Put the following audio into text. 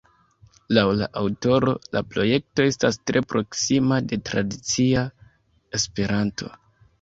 Laŭ la aŭtoro, la projekto estas tre proksima de tradicia Esperanto.